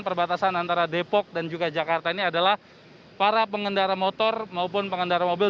perbatasan antara depok dan juga jakarta ini adalah para pengendara motor maupun pengendara mobil